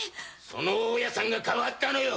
その大家さんが変わったのよ。